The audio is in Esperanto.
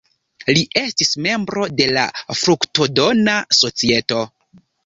Li estis membro de la Fruktodona Societo.